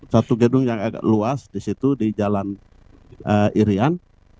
satu gedung yang agak luas di situ di jalan irian